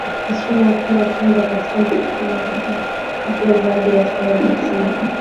Msichana hufunga fundo katika mkufu wake kwa kila zawadi atakayopatiwa